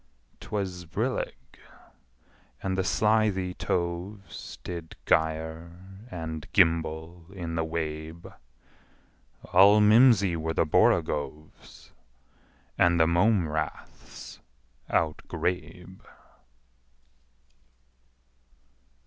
'Twas brillig, and the slithy toves Did gyre and gimble in the wabe: All mimsy were the borogoves, And the mome raths outgrabe.